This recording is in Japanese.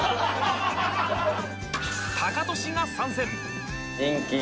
タカトシが参戦！